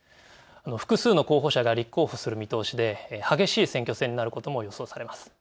複数の候補者が立候補する見通しで激しい選挙戦になることも予想されます。